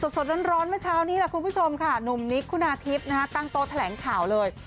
สดร้อนเมื่อเช้านี้ล่ะคุณผู้ชมค่ะหนุ่มนิกคุณาทิพย์ตั้งโต๊ะแถลงข่าวเลย